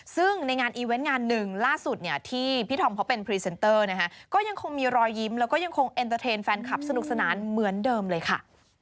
ซึ่งในงานอีเวนต์งานหนึ่งล่าสุดเนี่ยที่พี่ธอมเขาเป็นพรีเซนเตอร์นะคะก็ยังคงมีรอยยิ้มแล้วก็ยังคงเอ็นเตอร์เทนแฟนคลับสนุกสนานเหมือนเดิมเลยค่ะ